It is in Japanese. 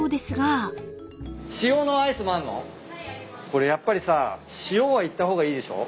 これやっぱりさ塩はいった方がいいでしょ？